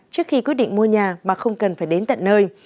trước khi quyết định mua nhà mà không cần phải đến tận nơi